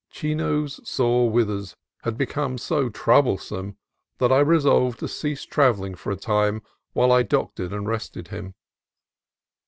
Chino's sore withers had become so troublesome that I resolved to cease travelling for a time while I doctored and rested him.